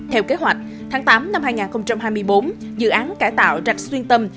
theo kế hoạch tháng tám năm hai nghìn hai mươi bốn dự án cải tạo rạch xuyên tâm